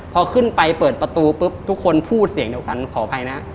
พอขึ้นไปเปิดประตูปุ๊บทุกคนพูดเสียงเดียวกันขออภัยนะ